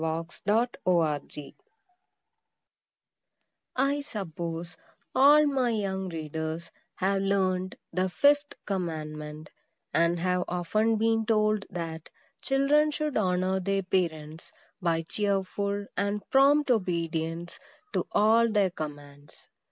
I suppose all my young readers have learned the fifth commandment, and have often been told that children should honor their parents by cheerful and prompt obedience to all their commands.